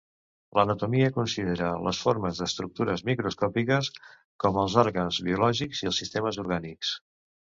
L'anatomia considera les formes d'estructures macroscòpiques com els òrgans biològics i els sistemes orgànics.